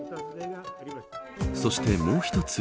そしてもう一つ